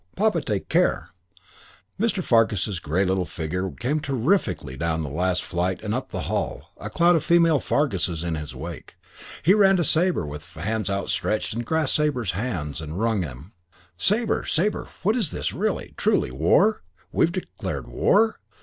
Papa, take care!" Mr. Fargus's grey little figure came terrifically down the last flight and up the hall, a cloud of female Farguses in his wake. He ran to Sabre with hands outstretched and grasped Sabre's hands and wrung them. "Sabre! Sabre! What's this? Really? Truly? War? We've declared war?